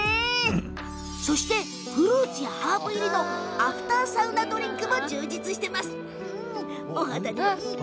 フルーツやハーブ入りのアフターサウナドリンクも充実。